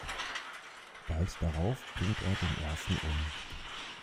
Bald darauf bringt er den ersten um.